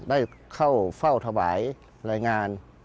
ได้เข้าเฝ้าถวายรายงาน